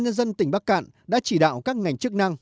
nhân dân tỉnh bắc cạn đã chỉ đạo các ngành chức năng